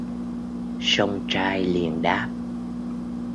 song trai liền đáp